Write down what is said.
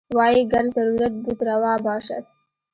وايي ګر ضرورت بود روا باشد.